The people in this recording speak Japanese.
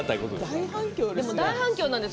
大反響なんです。